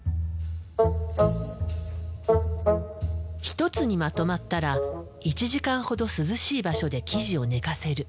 一つにまとまったら１時間ほど涼しい場所で生地を寝かせる。